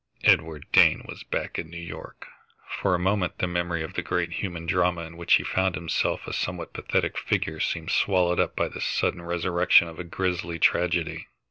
Edward Dane was back in New York! For a moment, the memory of the great human drama in which he found himself a somewhat pathetic figure seemed swallowed up by this sudden resurrection of a grisly tragedy.